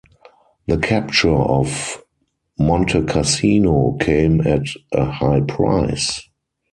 The capture of Monte Cassino came at a high price.